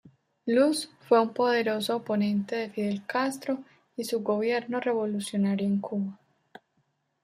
Luce fue un poderoso oponente de Fidel Castro y su gobierno revolucionario en Cuba.